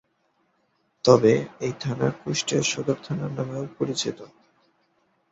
তবে এই থানা কুষ্টিয়া সদর থানা নামেও পরিচিত।